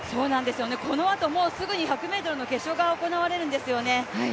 このあともうすぐに１００ｍの決勝が行われるんですよね。